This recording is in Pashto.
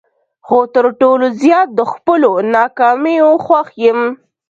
خو تر ټولو زیات د خپلو ناکامیو خوښ یم.